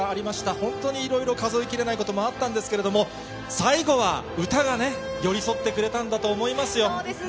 本当にいろいろ数えきれないこともあったんですけれども、最後は歌がね、寄り添ってくれたんだと思いますそうですね。